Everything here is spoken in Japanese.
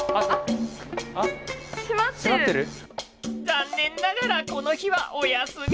残念ながらこの日はお休み。